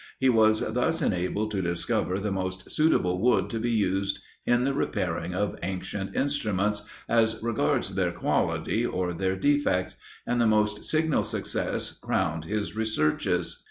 He was thus enabled to discover the most suitable wood to be used in the repairing of ancient instruments, as regards their quality or their defects, and the most signal success crowned his researches.